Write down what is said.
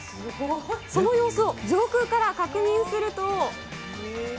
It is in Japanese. その様子を上空から確認すると。